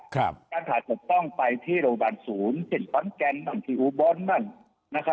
การถ่าศกต้องไปที่โรงพยาบาลศูนย์สิ่งต้อนเจนบ้างสิ่งบ้านบ้าง